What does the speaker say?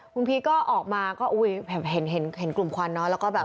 คุณพีชก็ออกมาเห็นกลุ่มควันเนอะ